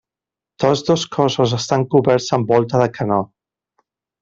Tots dos cossos estan coberts amb volta de canó.